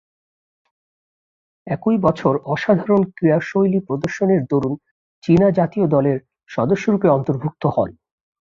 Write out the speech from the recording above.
একই বছর অসাধারণ ক্রীড়াশৈলী প্রদর্শনের দরুণ চীনা জাতীয় দলের সদস্যরূপে অন্তর্ভুক্ত হন।